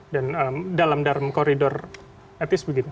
dan dalam dalam koridor etis begitu